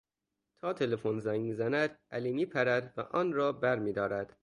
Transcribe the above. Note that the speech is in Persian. تا تلفن زنگ میزند علی میپرد و آن را بر میدارد.